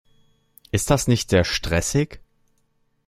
Ist das nicht sehr stressig?